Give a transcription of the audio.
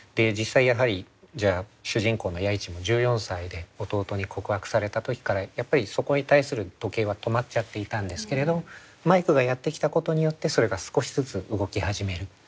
実際やはり主人公の弥一も１４歳で弟に告白された時からやっぱりそこに対する時計は止まっちゃっていたんですけれどマイクがやって来たことによってそれが少しずつ動き始める。